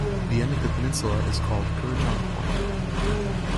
The end of the peninsula is called Kurrajong Point.